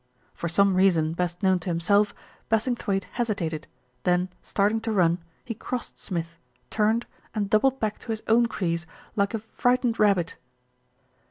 For some reason best known to himself, Bassingthwaighte hesitated, then starting to run, he crossed Smith, turned, and doubled back to his own crease like a frightened rabbit.